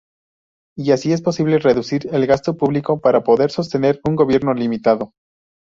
Y así es posible reducir el gasto público para poder sostener un gobierno limitado.